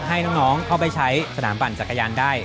ให้น้องเข้าไปใช้สนามปั่นจักรยานได้